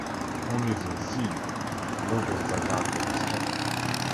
Only the 'Z' logo of Zagato was kept.